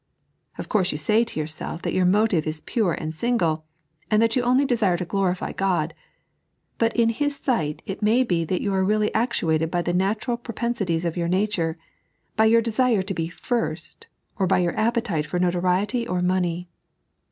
Of course, you Bay to yourself that your motive is pure and single, and that you only deeire to glorify God ; but in His sight it may be that you are really actuated by the natural pro pensities of your nature, by your desire to be firat, or by your appetite for notoriety or money.